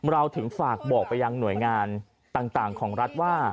เราถึงฝากบอกไปยังหน่วยงานต่างของรัฐว่า